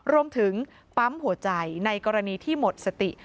รวมถึงปั๊มหัวใจในกรณีที่หมดสติ